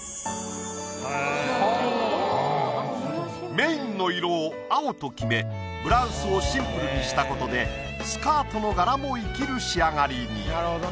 メインの色を青と決めブラウスをシンプルにしたことでスカートの柄も生きる仕上がりに。